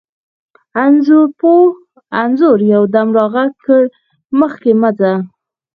انځور یو دم را غږ کړ: مخکې مه ځه.